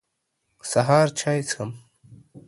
سهار چاي څښم.